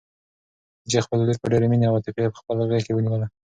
خدیجې خپله لور په ډېرې مینې او عاطفې په خپله غېږ کې ونیوله.